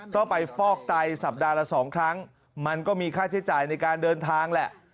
ต้องไปฟอกไตสัปดาห์ละ๒ครั้งมันก็มีค่าใช้จ่ายในการเดินทางแหละ